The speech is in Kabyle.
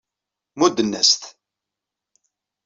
Mudden-as-t.